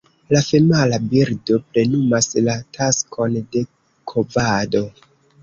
La femala birdo plenumas la taskon de kovado.